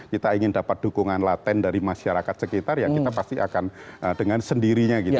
kita ingin dapat dukungan laten dari masyarakat sekitar ya kita pasti akan dengan sendirinya gitu